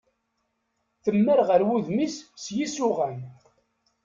Temmar ɣer wudem-is s yisuɣan.